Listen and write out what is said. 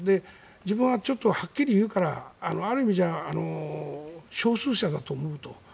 自分ははっきり言うからある意味では少数者だと思うと。